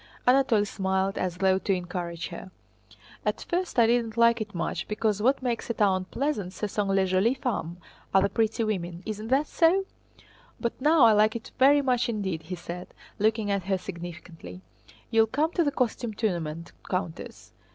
Anatole smiled as though to encourage her. "At first I did not like it much, because what makes a town pleasant ce sont les jolies femmes, * isn't that so? But now I like it very much indeed," he said, looking at her significantly. "You'll come to the costume tournament, Countess?